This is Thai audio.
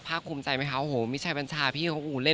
สวัสดีอินชีแดงค์คนล่าสุดนะคะเปิดชมมาแล้ว